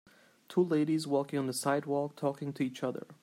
Two ladies walking on the sidewalk talking to each other.